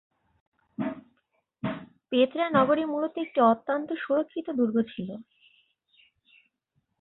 Petra নগরী মূলত একটি অত্যন্ত সুরক্ষিত দুর্গ ছিল।